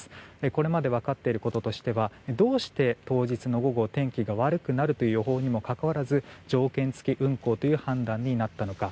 これまで分かっていることとしてどうして当日の午後天気が悪くなるという予報にもかかわらず条件付き運航という判断になったのか。